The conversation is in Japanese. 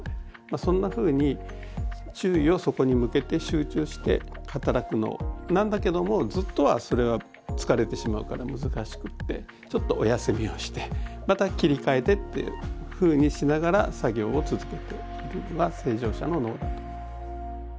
そんなふうに注意をそこに向けて集中して働くんだけどもずっとはそれは疲れてしまうから難しくてちょっとお休みをしてまた切り替えてっていうふうにしながら作業を続けているのは正常者の脳だと。